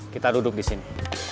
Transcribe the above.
kita duduk disini